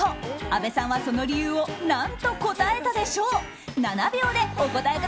阿部さんはその理由を何と答えたでしょう。